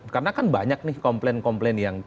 karena kan banyak nih komplain komplain yang